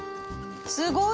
すごい。